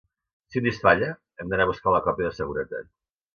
Si un disc falla, hem d’anar a buscar la còpia de seguretat.